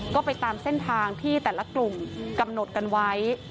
ก็ไปตามเส้นทางที่แต่ละกลุ่มกำหนดกันไว้